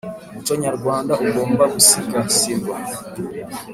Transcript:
Umuco nyarwanda ugomba gusigasirwa